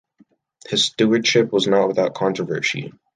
His stewardship was not without controversy.